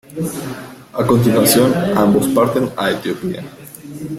A continuación, ambos parten a Etiopía.